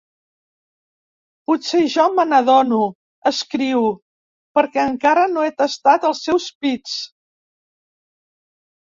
Potser jo me n'adono, escriu, perquè encara no he tastat els seus pits.